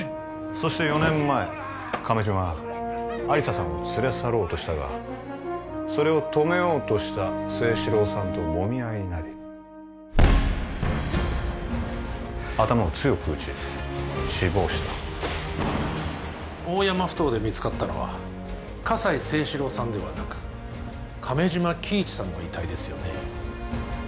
そして４年前亀島は亜理紗さんを連れ去ろうとしたがそれを止めようとした征四郎さんともみ合いになり頭を強く打ち死亡した大山ふ頭で見つかったのは葛西征四郎さんではなく亀島喜一さんの遺体ですよね？